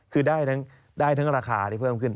คือได้ทั้งราคาที่เพิ่มขึ้น